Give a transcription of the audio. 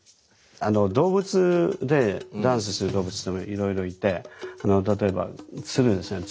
動物でダンスする動物ってのもいろいろいて例えば鶴ですね。